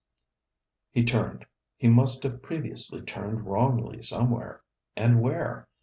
He turned. He must have previously turned wrongly somewhere and where?